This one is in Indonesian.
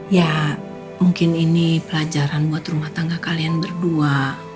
ya mungkin ini pelajaran buat rumah tangga kalian berdua